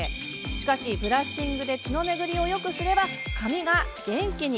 しかし、ブラッシングで血の巡りをよくすれば髪が元気に。